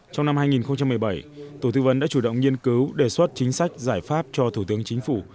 trong năm hai nghìn một mươi bảy tổ tư vấn đã chủ động nghiên cứu đề xuất chính sách giải pháp cho thủ tướng chính phủ